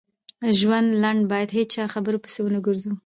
ژوند لنډ بايد هيچا خبرو پسی ونه ګرځو